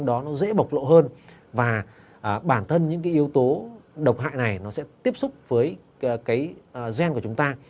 đó nó dễ bộc lộ hơn và bản thân những cái yếu tố độc hại này nó sẽ tiếp xúc với cái gen của chúng ta